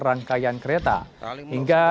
rangkaian kereta hingga